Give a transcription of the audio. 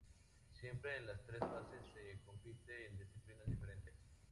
Siempre en las tres fases se compite en disciplinas diferentes.